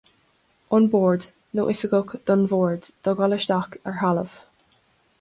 An Bord nó oifigigh don Bhord do dhul isteach ar thalamh.